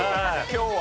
今日は。